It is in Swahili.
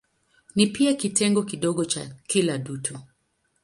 Ni pia kitengo kidogo cha kila dutu.